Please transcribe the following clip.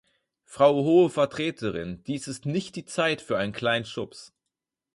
Frau Hohe Vertreterin, dies ist nicht die Zeit für einen kleinen Schubs.